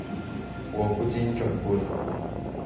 我不禁轉過頭